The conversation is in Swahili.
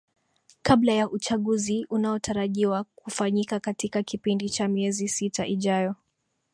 kabla ya uchaguzi unaotarajiwa kufanyika katika kipindi cha miezi sita ijayo